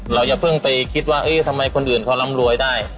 อย่าเพิ่งไปคิดว่าทำไมคนอื่นเขาร่ำรวยได้